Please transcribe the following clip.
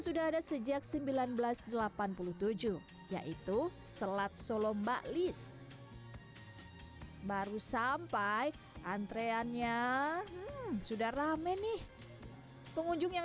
sudah ada sejak seribu sembilan ratus delapan puluh tujuh yaitu selat solomba lis baru sampai antreannya sudah rame nih pengunjung yang